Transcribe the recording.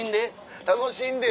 楽しんでよ。